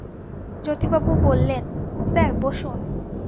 জ্যোতিবাবু বললেন, স্যার বসুন।